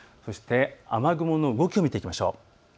雨雲の動きを見ていきましょう。